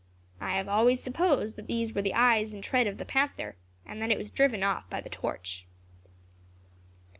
I have always supposed that these were the eyes and tread of the panther, and that it was driven off by the torch."